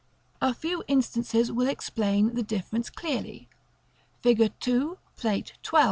A few instances will explain the difference clearly. Fig. 2, Plate XII.